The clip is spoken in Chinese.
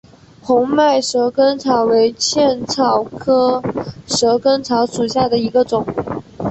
红脉蛇根草为茜草科蛇根草属下的一个种。